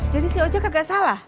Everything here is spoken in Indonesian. jadi si ojak kagak salah